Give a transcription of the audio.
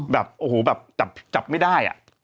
แบบโอ้โหแบบจับไม่ได้